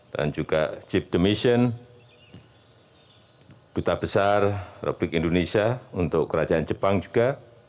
dan juga chief demission duta besar republik indonesia untuk kerajaan jepang juga